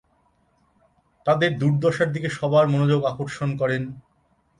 তাদের দুর্দশার দিকে সবার মনোযোগ আকর্ষণ করেন।